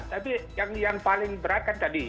tapi yang paling berat kan tadi